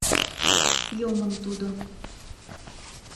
Йомын тудо...